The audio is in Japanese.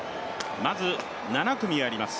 まず、７組あります